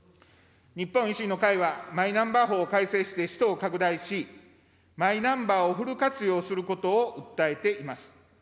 日本維新の会はマイナンバー法を改正して使途を拡大し、マイナンバーをフル活用することを訴えています。